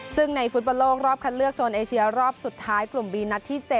ซึ่งในฟุตบอลโลกรอบคัดเลือกโซนเอเชียรอบสุดท้ายกลุ่มบีนัดที่๗